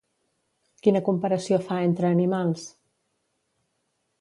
Quina comparació fa entre animals?